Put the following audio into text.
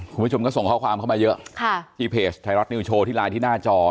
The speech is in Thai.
คุณผู้ชมก็ส่งข้อความเข้ามาเยอะที่เพจไทยรัฐนิวโชว์ที่ไลน์ที่หน้าจอ